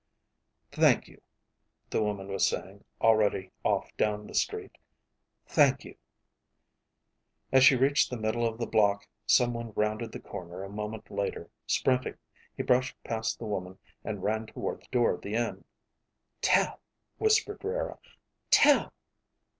"Thank you," the woman was saying, already off down the street. "Thank you." As she reached the middle of the block, someone rounded the corner a moment later, sprinting. He brushed past the woman and ran toward the door of the inn. "Tel," whispered Rara. "Tel!"